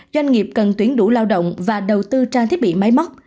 doanh nghiệp cần tuyển đủ lao động và đầu tư trang thiết bị máy móc